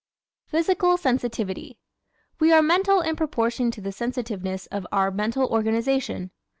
Physical Sensitivity ¶ We are "mental" in proportion to the sensitiveness of our mental organization.